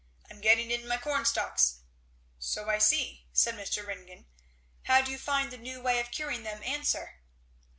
"I'm getting in my corn stalks." "So I see," said Mr. Ringgan. "How do you find the new way of curing them answer?"